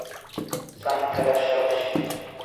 سم تھے رس شبش!